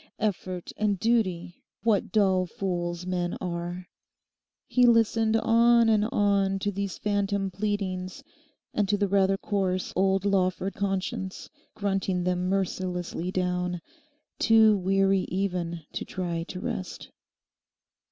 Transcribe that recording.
Effort and duty, what dull fools men are!' He listened on and on to these phantom pleadings and to the rather coarse old Lawford conscience grunting them mercilessly down, too weary even to try to rest.